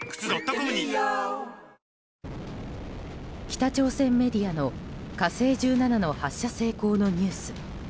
北朝鮮メディアの「火星１７」の発射成功のニュース。